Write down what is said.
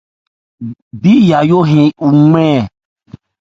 Bí Yayó 'wɛn ɛ ?